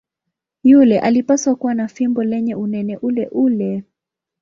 Yule alipaswa kuwa na fimbo lenye unene uleule.